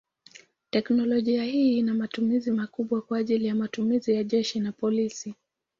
Teknolojia hii ina matumizi makubwa kwa ajili matumizi ya jeshi na polisi.